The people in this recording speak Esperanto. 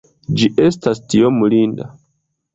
Ĝi estas tiom linda!